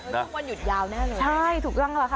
ทุกวันหยุดยาวแน่เลย